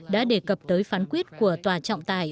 đã đề cập tới phán quyết của tòa trọng tài